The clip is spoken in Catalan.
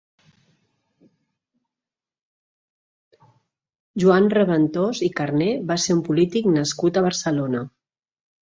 Joan Reventós i Carner va ser un polític nascut a Barcelona.